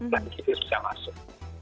lagi susah masuk